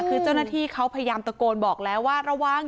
คือเจ้าหน้าที่เขาพยายามตะโกนบอกแล้วว่าระวัง